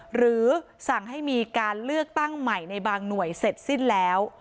หรือสั่งให้มีการเลือกตั้งใหม่ในบางหน่วยเสร็จสิ้นแล้ว